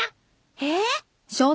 えっ！？